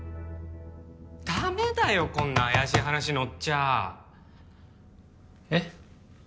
ダメだよこんな怪しい話のっちゃえっ？